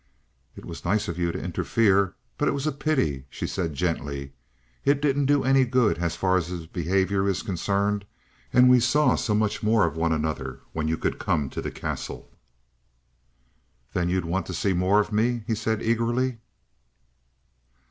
"It was nice of you to interfere, but it was a pity," she said gently. "It didn't do any good as far as his behaviour is concerned, and we saw so much more of one another when you could come to the Castle." "Then you do want to see more of me?" he said eagerly.